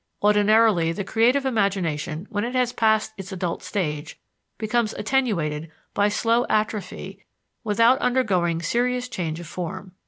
Ordinarily the creative imagination, when it has passed its adult stage, becomes attenuated by slow atrophy without undergoing serious change of form.